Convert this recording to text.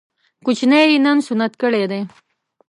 کوچنی يې نن سنت کړی دی